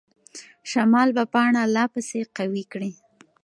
شمال به پاڼه لا پسې قوي کړي.